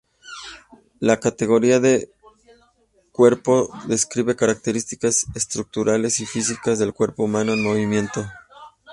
La categoría de cuerpo describe características estructurales y físicas del cuerpo humano en movimiento.